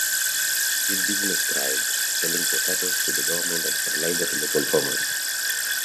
His business thrived, selling potatoes to the government and fertilizer to local farmers.